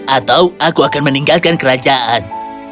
atau aku akan meninggalkan kerajaan